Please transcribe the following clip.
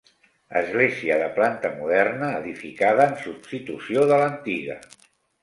Església de planta moderna edificada en substitució de l'antiga.